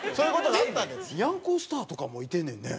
にゃんこスターとかもいてんねんね。